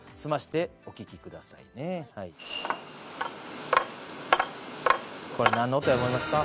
皆さんこれ何の音や思いますか？